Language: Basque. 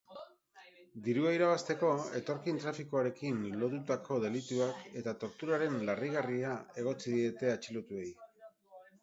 Dirua irabazteko etorkin-trafikoarekin lotutako delituak eta torturaren larrigarria egotzi diete atxilotuei.